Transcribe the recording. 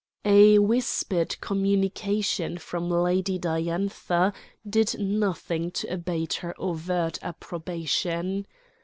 A whispered communication from Lady Diantha did nothing to abate her overt approbation.